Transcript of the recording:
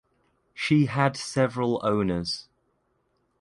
She had several owners.